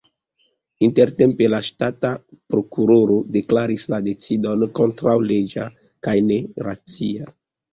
Intertempe la ŝtata prokuroro deklaris la decidon kontraŭleĝa kaj neracia.